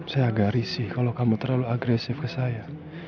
saya agak risih kalau kamu terlalu agresif ke saya